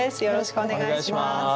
よろしくお願いします。